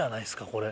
これ。